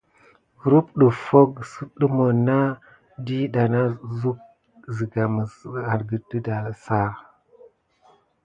Kurum ɗəffo kis kudumona dina na uksu siga mis gəldala ça agate.